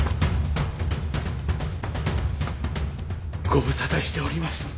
ご無沙汰しております。